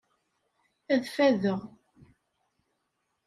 Ad ffadeɣ.